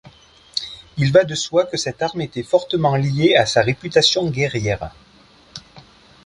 Il va de soi que cette arme était fortement liée à sa réputation guerrière.